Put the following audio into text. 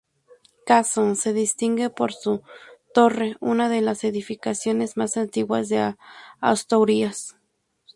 Cazo se distingue por su torre, una de las edificaciones más antiguas de Asturias.